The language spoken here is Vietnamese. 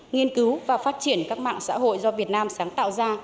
nghiên cứu và phát triển các mạng xã hội do việt nam sáng tạo ra